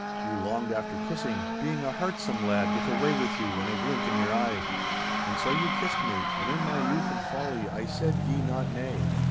You longed after kissing, being a heartsome lad with a way with you and a glint in your e'e. And so you kissed me, and in my youth and folly I said ye not nay.